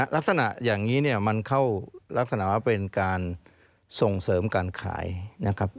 ลักษณะอย่างนี้เนี่ยมันเข้ารักษณะว่าเป็นการส่งเสริมการขายนะครับ